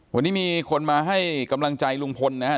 วันนี้มีคนมาให้กำลังใจลุงพลนะครับ